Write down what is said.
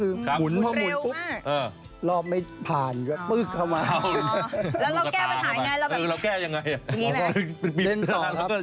เล่นต่อครับลับตากลางเดียวก่อนแล้วเล่นต่อแน็ต